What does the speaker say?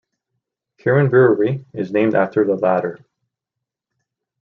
Kirin Brewery is named after the latter.